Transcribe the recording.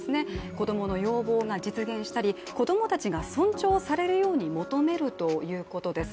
子供の要望が実現したり、子供たちが尊重されるように求めるということです。